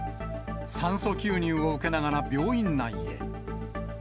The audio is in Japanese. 酸素吸入を受けながら病院内へ。